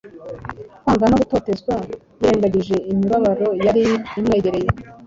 kwangwa no gutotezwa, yirengagije imibabaro yari imwegereye.